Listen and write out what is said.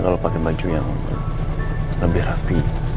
kalau pakai baju yang lebih api